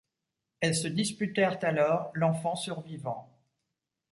Elles se disputèrent alors l'enfant survivant.